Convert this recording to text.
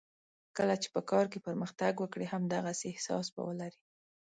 کله چې په کار کې پرمختګ وکړې همدغسې احساس به ولرې.